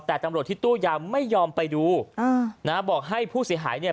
แต่ตำรวจที่ตู้ยามไม่ยอมไปดูอ่านะฮะบอกให้ผู้เสียหายเนี่ย